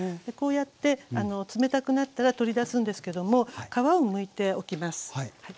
こうやって冷たくなったら取り出すんですけども皮をむいておきます。